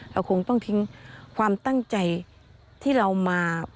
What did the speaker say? เราคงต้องทิ้งความตั้งใจที่เรามา